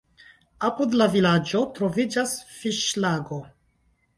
Apud la vilaĝo troviĝas fiŝlago.